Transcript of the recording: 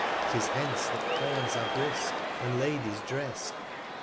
Tis hence that Fawns are brisk, and Ladies drest.